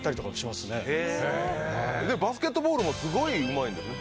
バスケットボールもすごいうまいんですね。